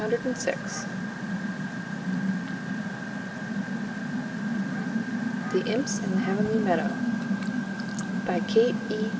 THE IMPS IN THE HEAVENLY MEADOW BY KATE E.